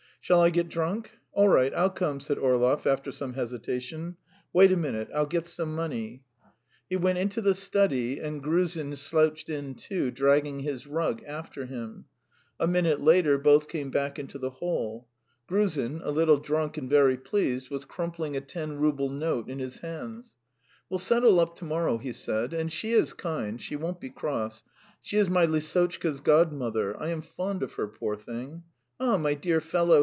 "Shall I get drunk? All right, I'll come," said Orlov after some hesitation. "Wait a minute; I'll get some money." He went into the study, and Gruzin slouched in, too, dragging his rug after him. A minute later both came back into the hall. Gruzin, a little drunk and very pleased, was crumpling a ten rouble note in his hands. "We'll settle up to morrow," he said. "And she is kind, she won't be cross. ... She is my Lisotchka's godmother; I am fond of her, poor thing! Ah, my dear fellow!"